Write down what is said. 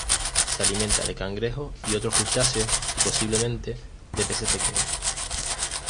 Se alimenta de cangrejos y otros crustáceos, y posiblemente de peces pequeños.